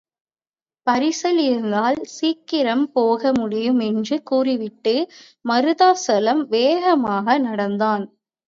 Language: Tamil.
பரிசல் இருந்தால் சீக்கிரம் போக முடியும் என்று கூறிவிட்டு மருதாசலம் வேகமாக நடந்தான்.